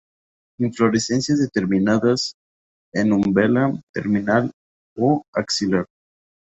Inflorescencias determinadas, en umbela, terminal o axilar.